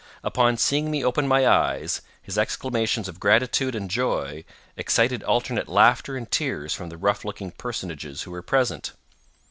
Upon seeing me open my eyes, his exclamations of gratitude and joy excited alternate laughter and tears from the rough looking personages who were present.